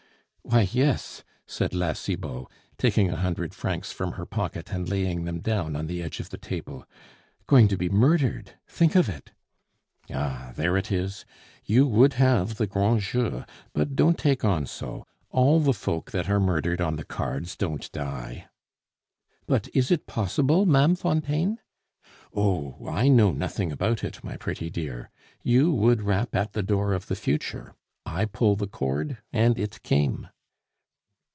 "Why, yes!" said La Cibot, taking a hundred francs from her pocket and laying them down on the edge of the table. "Going to be murdered, think of it " "Ah! there it is! You would have the grand jeu; but don't take on so, all the folk that are murdered on the cards don't die." "But is it possible, Ma'am Fontaine?" "Oh, I know nothing about it, my pretty dear! You would rap at the door of the future; I pull the cord, and it came."